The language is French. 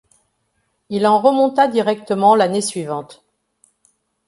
Il en remonta directement l’année suivante.